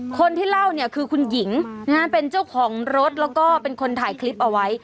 คนที่เล่าเนี่ยคือคุณหญิงนะฮะเป็นเจ้าของรถแล้วก็เป็นคนถ่ายคลิปเอาไว้